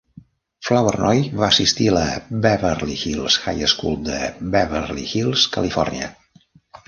Flournoy va assistir a la Beverly Hills High School de Beverly Hills, Califòrnia.